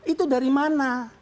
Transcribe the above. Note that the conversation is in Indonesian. itu dari mana